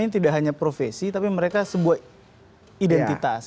ini tidak hanya profesi tapi mereka sebuah identitas